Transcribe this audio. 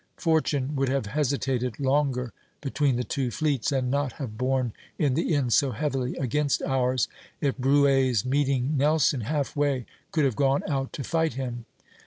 Fortune would have hesitated longer between the two fleets, and not have borne in the end so heavily against ours, if Brueys, meeting Nelson half way, could have gone out to fight him.